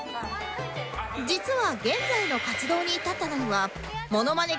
実は現在の活動に至ったのにはモノマネ